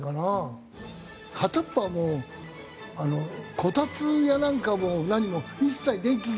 片っ方はもうこたつやなんかも何も一切電気。